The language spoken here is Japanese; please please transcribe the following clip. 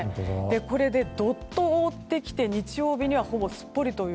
これで、ドッと覆ってきて日曜日にはほぼすっぽりという